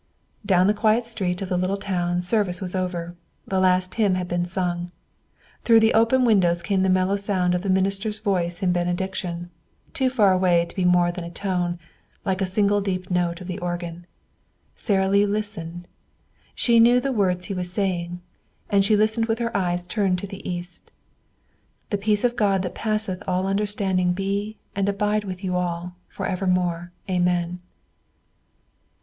Down the quiet street of the little town service was over. The last hymn had been sung. Through the open windows came the mellow sound of the minister's voice in benediction, too far away to be more than a tone, like a single deep note of the organ. Sara Lee listened. She knew the words he was saying, and she listened with her eyes turned to the east: "The peace of God that passeth all understanding be and abide with you all, forevermore. Amen."